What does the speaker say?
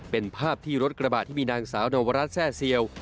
เป็นภาพที่รถกระบะที่มีนางสาวนวรัฐแซ่เซียว